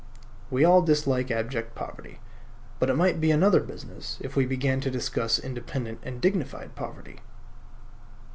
We all dislike abject poverty; but it might be another business if we began to discuss independent and dignified poverty.